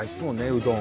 うどん。